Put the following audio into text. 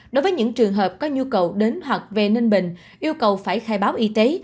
đối với những trường hợp có nhu cầu đến hoặc về ninh bình yêu cầu phải khai báo y tế